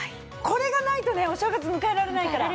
これがないとねお正月迎えられないから。